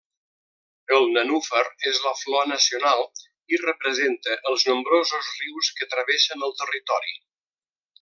El nenúfar és la flor nacional i representa els nombrosos rius que travessen el territori.